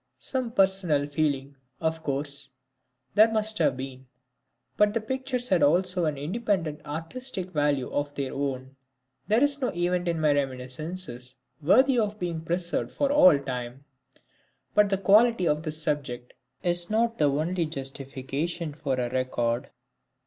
Some personal feeling, of course, there must have been, but the pictures had also an independent artistic value of their own. There is no event in my reminiscences worthy of being preserved for all time. But the quality of the subject is not the only justification for a record.